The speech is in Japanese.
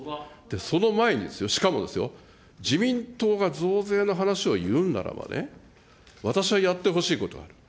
その前にですよ、しかもですよ、自民党が増税の話を言うならばね、私はやってほしいことがある。